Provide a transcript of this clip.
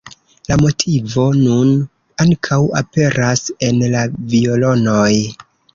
La motivo nun ankaŭ aperas en la violonoj.